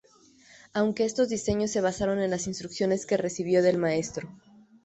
Aunque estos diseños se basaron en las instrucciones que recibió del maestro.